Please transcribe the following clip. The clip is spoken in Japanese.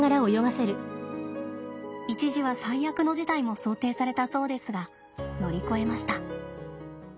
一時は最悪の事態も想定されたそうですが乗り越えました。